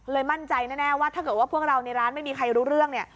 มั่นใจแน่ว่าถ้าเกิดว่าพวกเราในร้านไม่มีใครรู้เรื่องเนี่ย